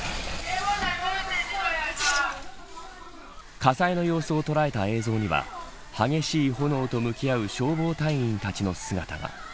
火災の様子を捉えた映像には激しい炎と向き合う消防隊員たちの姿が。